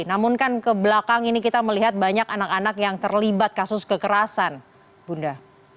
namun kan kebelakang ini kita melihat banyak anak anak yang terlibat kasus kekerasan bunda